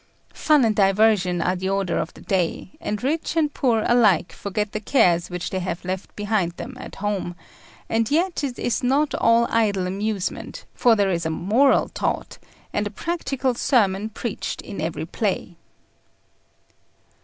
Fun and diversion are the order of the day, and rich and poor alike forget the cares which they have left behind them at home; and yet it is not all idle amusement, for there is a moral taught, and a practical sermon preached in every play.